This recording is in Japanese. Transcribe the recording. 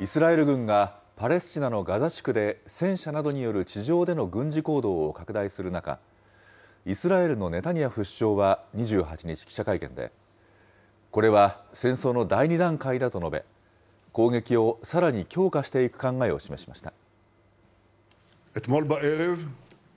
イスラエル軍が、パレスチナのガザ地区で戦車などによる地上での軍事行動を拡大する中、イスラエルのネタニヤフ首相は２８日、記者会見で、これは戦争の第２段階だと述べ、攻撃をさらに強化していく考えを示しました。